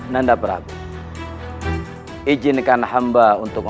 tetap ada di tempatmu